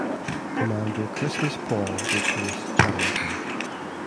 Commander Christmas Paul replaced Charrington.